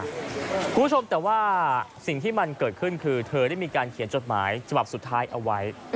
คุณผู้ชมแต่ว่าสิ่งที่มันเกิดขึ้นคือเธอได้มีการเขียนจดหมายฉบับสุดท้ายเอาไว้